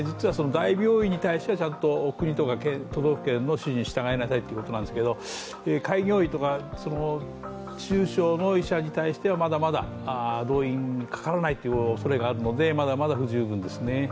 大病院に対してはちゃんと国とか都道府県の指示に従いなさいということなんですが開業医とか、中小の医者に対しては動員がかからないという状況なのでまだまだ不十分ですね。